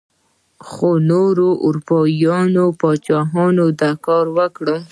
خو نورو اروپايي پاچاهانو دا کار وکړ.